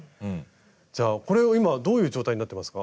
じゃあこれを今どういう状態になってますか？